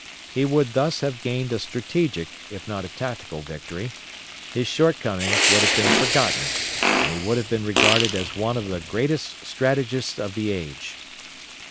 He would thus have gained a strategic if not a tactical victory; his shortcomings would have been forgotten, and he would have been regarded as one of the greatest strategists of the age.